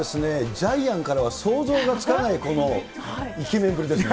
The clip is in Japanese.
ジャイアンからは想像がつかないこのイケメンぶりですね。